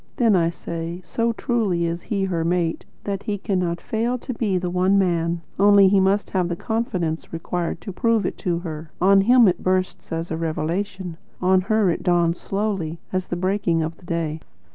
then I say, so truly is he her mate, that he cannot fail to be the One Man; only he must have the confidence required to prove it to her. On him it bursts, as a revelation; on her it dawns slowly, as the breaking of the day."